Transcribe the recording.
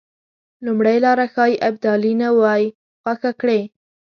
لومړۍ لاره ښایي ابدالي نه وای خوښه کړې.